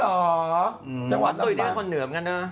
อัตุ๋ยด้านคนเหนือกันเนอะ